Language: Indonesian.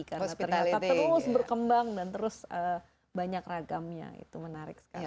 karena ternyata terus berkembang dan terus banyak ragamnya itu menarik sekali